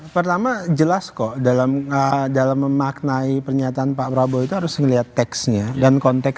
karena jelas kok dalam memaknai pernyataan pak prabowo itu harus melihat teksnya dan konteksnya